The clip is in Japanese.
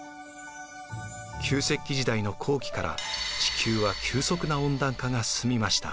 旧石器時代の後期から地球は急速な温暖化が進みました。